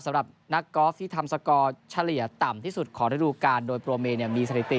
สำหรับนักกอล์ฟที่ทำสกอร์เฉลี่ยต่ำที่สุดของระดูการโดยโปรเมมีสถิติ